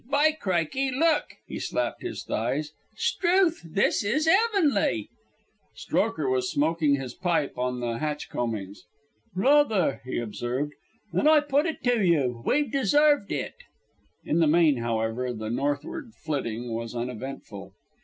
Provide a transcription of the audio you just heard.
By crickey! Look!" He slapped his thighs. "S'trewth! This is 'eavenly." Strokher was smoking his pipe on the hatch combings. "Rather," he observed. "An' I put it to you we've deserved it." In the main, however, the northward flitting was uneventful.